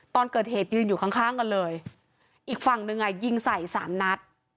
ตอนเกิดเหตุยืนอยู่ข้างข้างกันเลยอีกฝั่งหนึ่งอ่ะยิงใส่สามนัด